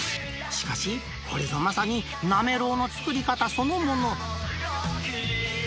しかし、これぞまさに、なめろうの作り方そのもの。